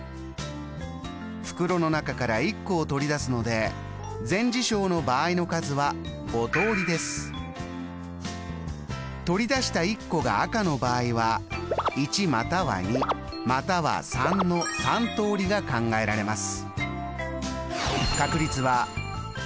袋の中から１個を取り出すので取り出した１個が赤の場合は１または２または３の３通りが考えられます。